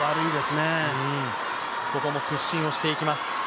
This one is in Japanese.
ここも屈伸をしていきます。